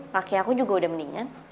pakai aku juga udah mendingan